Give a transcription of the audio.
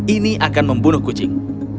ini akan membunuh kucing